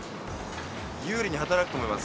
有利に働くと思います。